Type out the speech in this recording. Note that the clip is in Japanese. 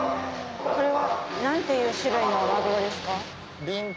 これは何ていう種類のまぐろですか？